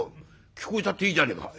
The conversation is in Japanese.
「聞こえたっていいじゃねえか」。